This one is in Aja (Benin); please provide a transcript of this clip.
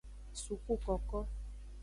Sukukoko.